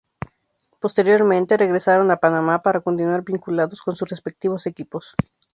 Posteriormente regresaron a Panamá para continuar vinculados con sus respectivos equipos.